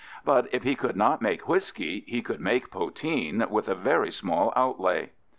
But if he could not make whisky, he could make poteen with a very small outlay.